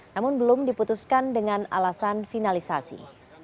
namun belum diputuskan dengan alasan finalisasi